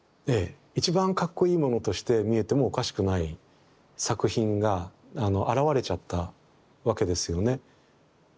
一番かっこいいものとして見えてもおかしくない作品が現れちゃったわけですよね。